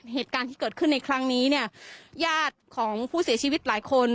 เหตุการณ์ที่เกิดขึ้นในครั้งนี้เนี่ยญาติของผู้เสียชีวิตหลายคน